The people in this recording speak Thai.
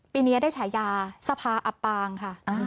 ปีนี้ได้ฉายาสภาอับปางค่ะ